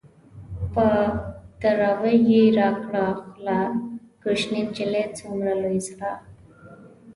په دراوۍ يې راکړه خوله - کوشنی نجلۍ څومره لوی زړه